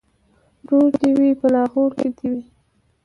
ـ ورور دې وي په لاهور دې وي.